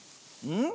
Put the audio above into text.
うん？